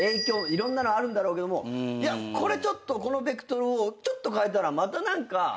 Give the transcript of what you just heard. いろんなのあるんだろうけどもこのベクトルをちょっと変えたらまた何かっていう。